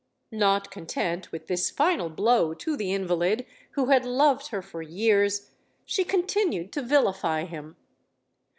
Not content with this final blow to the invalid who had loved her for years, she continued to vilify him.